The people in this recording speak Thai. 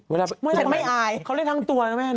เวลาเป็นฮะเมื่อไหร่ไม่อายเขาเล่นทั้งตัวนะไหมนะ